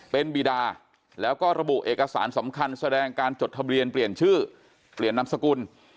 เป็นบีดาแล้วก็ระบุเอกสารสำคัญแสดงการจดทะเบียนเปลี่ยนชื่อเปลี่ยนนามสกุล